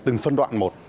từng phân đoạn một